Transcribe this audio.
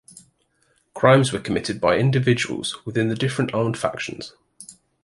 Crimes were committed by individuals within the different armed factions.